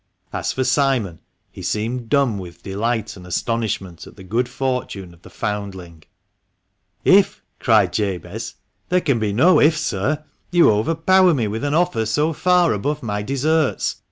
As for Simon, he seemed dumb with delight and astonishment at the good fortune of the foundling. "IF !" cried Jabez, "there can be no 'if,' sir; you overpower me with an offer so far above my deserts.